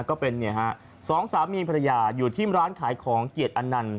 ก็เป็นสองสามีภรรยาอยู่ที่ร้านขายของเกียรติอนันต์